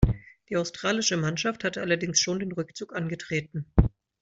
Die australische Mannschaft hatte allerdings schon den Rückzug angetreten.